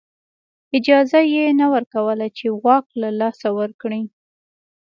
اجازه یې نه ورکوله چې واک له لاسه ورکړي